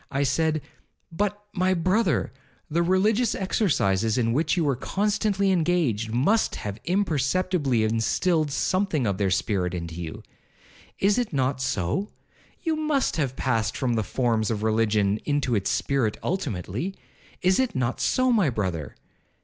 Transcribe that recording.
I said, 'But, my brother, the religious exercises in which you were constantly engaged, must have imperceptibly instilled something of their spirit into you?—is it not so? You must have passed from the forms of religion into its spirit ultimately?—is it not so, my brother?